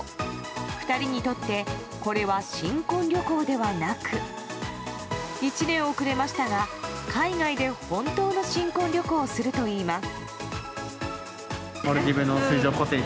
２人にとってこれは新婚旅行ではなく１年遅れましたが、海外で本当の新婚旅行をするといいます。